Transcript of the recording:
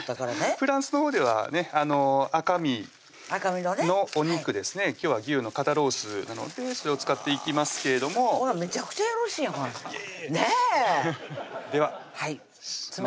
フランスのほうではね赤身のお肉ですね今日は牛の肩ロースなのでそれを使っていきますけれどもこんなんめちゃくちゃよろしいやんねっでは冷たいんですよ